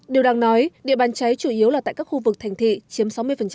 điều đang nói địa bàn cháy chủ yếu là tại các khu vực thành thị chiếm sáu mươi